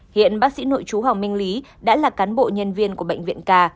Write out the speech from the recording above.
hiện bác sĩ nội chú hoàng minh lý đã là cán bộ nhân viên của bệnh viện ca